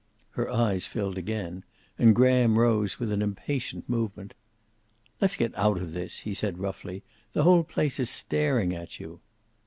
Her eyes filled again, and Graham rose, with an impatient movement. "Let's get out of this," he said roughly. "The whole place is staring at you."